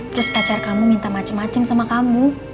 terus pacar kamu minta macem macem sama kamu